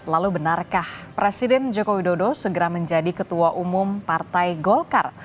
lalu benarkah presiden joko widodo segera menjadi ketua umum partai golkar